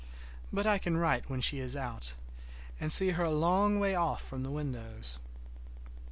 But I can write when she is out, and see her a long way off from these windows.